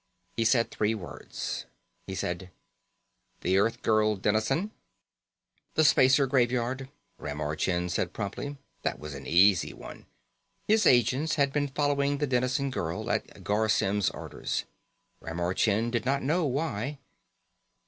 He said three words. He said: "The Earthgirl Dennison." "The Spacer Graveyard," Ramar Chind said promptly. That was an easy one. His agents had been following the Dennison girl, at Garr Symm's orders. Ramar Chind did not know why.